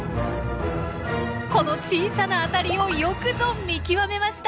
この小さなアタリをよくぞ見極めました！